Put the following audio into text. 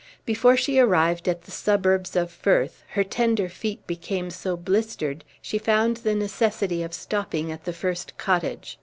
Before she arrived at the suburbs of Ferth, her tender feet became so blistered, she found the necessity of stopping at the first cottage.